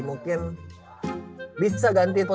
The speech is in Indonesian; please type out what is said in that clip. karena gue juga gak peduli